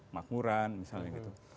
makmuran misalnya gitu